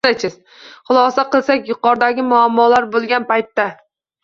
Xulosa qilsak, yuqoridagi muammolar bo‘lgan paytda